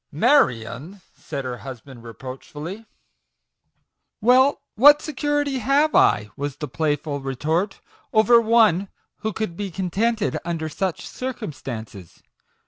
" Marion !" said her husband reproachfully. t( Well, what security have I," was the play ful retort, " over one who could be contented under such circumstances